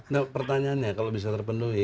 nah pertanyaannya kalau bisa terpenuhi